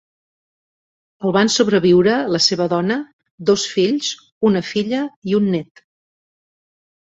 El van sobreviure la seva dona, dos fills, una filla i un nét.